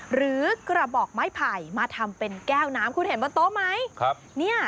หรือกระบอกไม้ไผ่มาทำเป็นแก้วน้ำคุณเห็นบนโต๊ะไหม